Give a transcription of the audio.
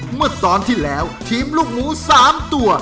เมื่อตอนที่แล้วทีมลูกหมู๓ตัว